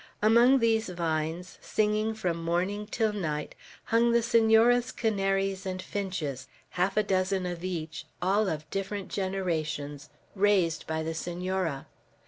Among these vines, singing from morning till night, hung the Senora's canaries and finches, half a dozen of each, all of different generations, raised by the Senora.